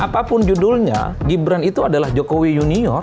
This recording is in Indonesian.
apapun judulnya gibran itu adalah jokowi junior